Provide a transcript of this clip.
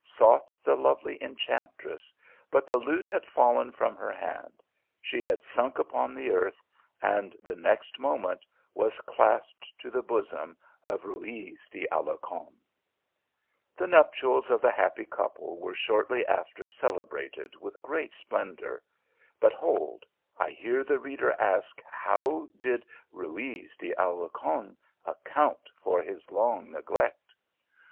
239 sought the lovely enchantress, but the lute had fallen from her hand ; she had sank upon the earth, and the next moment was clasped to the bosom of Ruyz de Alarcon. The nuptials of the happy couple were shortly after celebrated with great splendour, but hold, I hear the reader ask how did Ruyz de Alarcon ac count for his long neglect